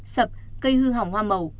sập cây hư hỏng hoa màu